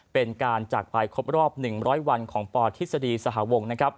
เป็นการจักรไปครบรอบ๑๐๐วันของปธิสดีสหวง